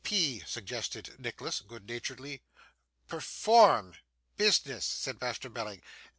'P,' suggested Nicholas, good naturedly. 'Perform business!' said Master Belling.